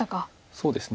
そうですね